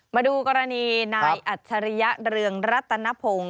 มาดูกรณีนายอัจฉริยะเรืองรัตนพงศ์